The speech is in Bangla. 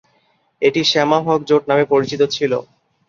এটি শ্যামা-হক জোট নামে পরিচিত ছিল।